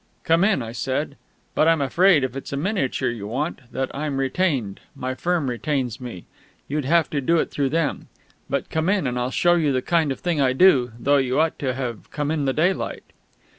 "Come in," I said. "But I'm afraid, if it's a miniature you want, that I'm retained my firm retains me you'd have to do it through them. But come in, and I'll show you the kind of thing I do though you ought to have come in the daylight